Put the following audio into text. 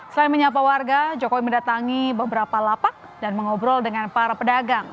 selain menyapa warga jokowi mendatangi beberapa lapak dan mengobrol dengan para pedagang